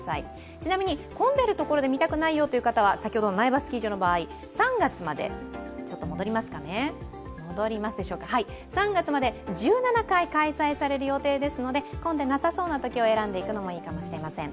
ちなみに混んでいるところで見たくないとうい場合は先ほどの苗場スキー場の場合、３月まで１７回開催される予定ですので混んでなさそうなときを選んで行くのがいいかもしれません。